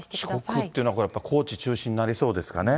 四国っていうのは、高知中心になりそうですかね。